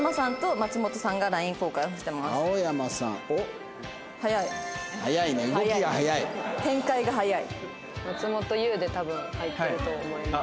「松本優」で多分入ってると思います。